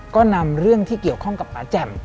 ก็นำเรื่องที่เกี่ยวข้องกับป่าแจ่ม